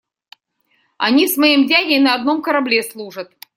Они с моим дядей на одном корабле служат.